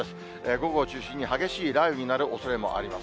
午後を中心に激しい雷雨になるおそれもあります。